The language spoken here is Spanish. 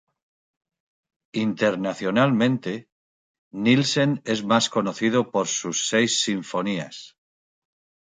Internacionalmente, Nielsen es más conocido por sus seis sinfonías.